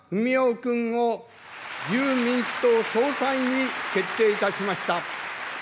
君を自由民主党総裁に決定いたしました。